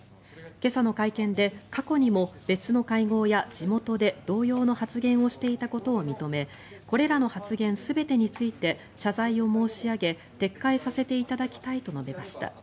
今朝の会見で過去にも別の会合や地元で同様の発言をしていたことを認めこれらの発言全てについて謝罪を申し上げ撤回させていただきたいと述べました。